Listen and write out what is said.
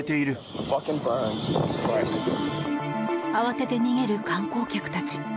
慌てて逃げる観光客たち。